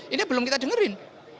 ini belum kita dengerin